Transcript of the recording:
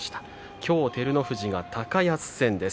きょう、照ノ富士は高安戦です。